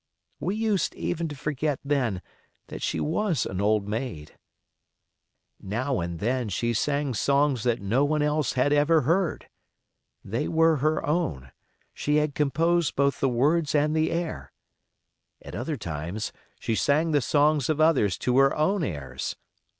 We used even to forget then that she was an old maid. Now and then she sang songs that no one else had ever heard. They were her own; she had composed both the words and the air. At other times she sang the songs of others to her own airs.